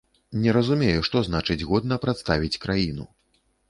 Не разумею, што значыць, годна прадставіць краіну?